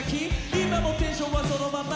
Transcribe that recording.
今もテンションはそのままに」